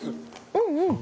うんうん！